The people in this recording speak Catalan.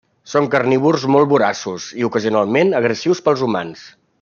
Són carnívors molt voraços i, ocasionalment, agressius per als humans.